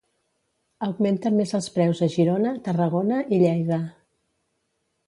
Augmenten més els preus a Girona, Tarragona i Lleida.